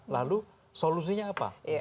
lalu solusinya apa